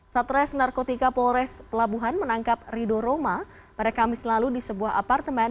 satres narkotika polres pelabuhan menangkap rido roma pada kamis lalu di sebuah apartemen